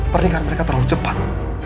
pernikahan mereka terlalu cepat